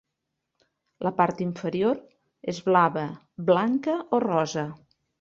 La part inferior és blava, blanca o rosa.